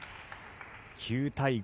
９対５